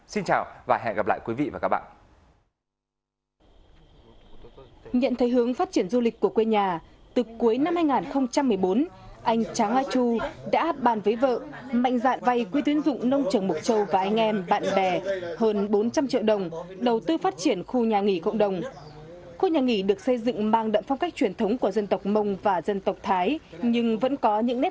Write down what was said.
xin chào và hẹn gặp lại quý vị và các bạn